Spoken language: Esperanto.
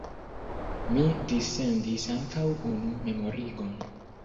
Mi dissendis ankaŭ unu memorigon.